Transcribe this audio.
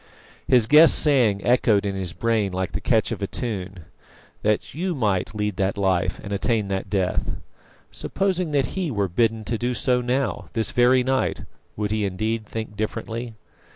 His guest's saying echoed in his brain like the catch of a tune "that you might lead that life and attain that death." Supposing that he were bidden so to do now, this very night, would he indeed "think differently"?